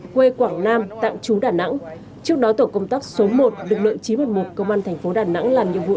quê quảng nam tạm trú đà nẵng trước đó tổ công tác số một lực lượng chín trăm một mươi một công an thành phố đà nẵng làm nhiệm vụ